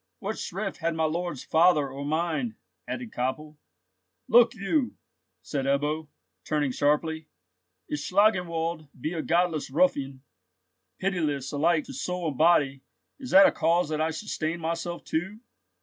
"What shrift had my lord's father, or mine?" added Koppel. "Look you!" said Ebbo, turning sharply. "If Schlangenwald be a godless ruffian, pitiless alike to soul and body, is that a cause that I should stain myself too?"